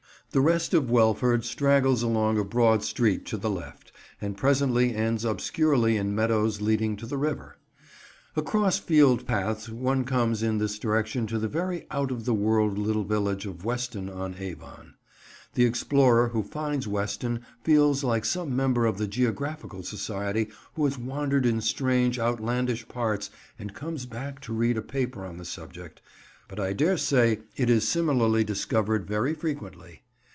The rest of Welford straggles along a broad street to the left, and presently ends obscurely in meadows leading to the river. Across field paths one comes in this direction to the very out of the world little village of Weston on Avon. The explorer who finds Weston feels like some member of the Geographical Society who has wandered in strange, outlandish parts and comes back to read a paper on the subject; but I dare say it is similarly discovered very frequently.